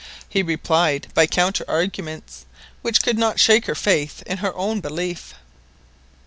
He replied by counter arguments, which could not shake her faith in her own belief.